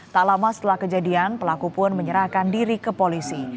tak lama setelah kejadian pelaku pun menyerahkan diri ke polisi